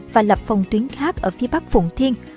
và lập phòng tuyến khác ở phía bắc phụng thiên